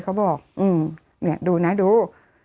เขาบอกเนี่ยดูนะดู